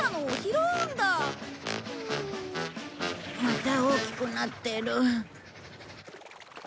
また大きくなってる。